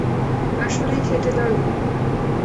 আসলেই খেতে দারুণ!